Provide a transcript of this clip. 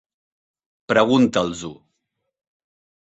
Pregunta'ls-ho.